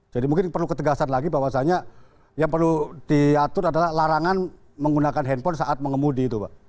jadi mungkin perlu ketegasan lagi bahwasanya yang perlu diatur adalah larangan menggunakan handphone saat mengemudi itu pak